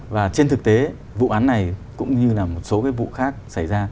và trên thực tế vụ án này cũng như là một số cái vụ khác xảy ra